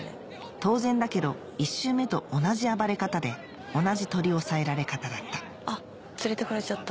当然だけど１周目と同じ暴れ方で同じ取り押さえられ方だったあっ連れてかれちゃった。